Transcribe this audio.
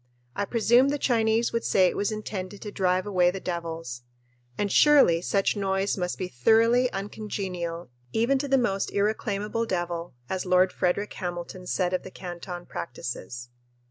I presume the Chinese would say it was intended to drive away the devils and surely such noise must be "thoroughly uncongenial even to the most irreclaimable devil," as Lord Frederick Hamilton said of the Canton practices.